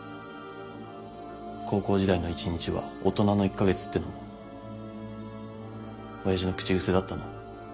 「高校時代の一日は大人の一か月」ってのも親父の口癖だったの？